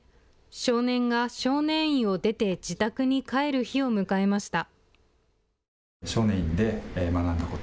少年が少年院を出て自宅に帰る日を迎えました。